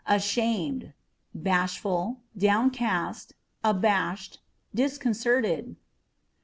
Ashamed â€" bashful, downcast, abashed, disconcerted.